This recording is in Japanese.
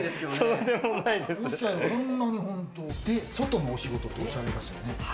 外のお仕事だとおっしゃいましたよね？